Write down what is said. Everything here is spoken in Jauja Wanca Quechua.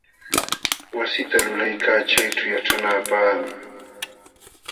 Wasita lulaykaa chayćhuu yaćhanaapaqmi.